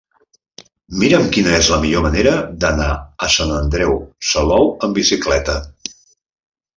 Mira'm quina és la millor manera d'anar a Sant Andreu Salou amb bicicleta.